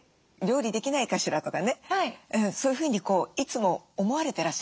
料理できないかしら」とかねそういうふうにいつも思われてらっしゃるんですかね？